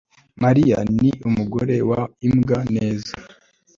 mariya ni umugore wa imbwa neza